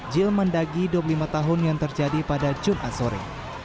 jil mendagi dua puluh lima tahun yang terjadi pada jumat sore